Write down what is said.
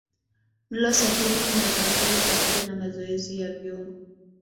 Mlo sahihi na kamili pamoja na mazoezi ya viungo